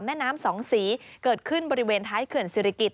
แม่น้ำสองสีเกิดขึ้นบริเวณท้ายเขื่อนศิริกิจ